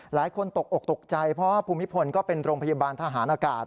ตกอกตกใจเพราะว่าภูมิพลก็เป็นโรงพยาบาลทหารอากาศ